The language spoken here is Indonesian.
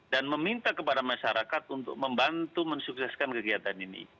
dan meminta kepada masyarakat untuk membantu mensukseskan kegiatan ini